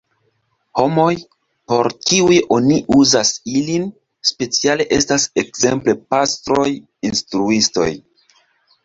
Homoj, por kiuj oni uzas ilin, speciale estas ekzemple pastroj, instruistoj.